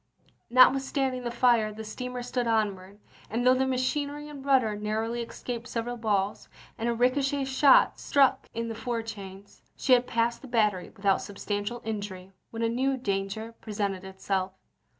Notwithstanding the fire the steamer stood on ward, and though the machinery and rudder narrowly escaped several balls, and a ricochet shot struck in the fore chains, she had passed the battery without substantial injury when a new danger presented itself.